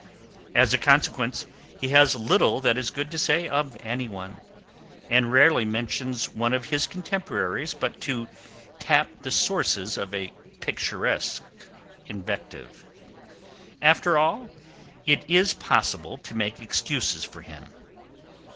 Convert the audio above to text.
As a consequence he has little that is good to say of anyone, and rarely mentions one of his contemporaries but to tap the sources of a picturesque invective. After all, it is possible to make excuses for him.